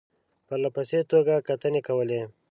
پرله پسې توګه کتنې کولې.